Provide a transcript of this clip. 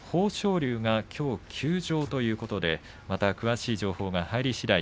龍きょう休場ということで詳しい情報が入りしだい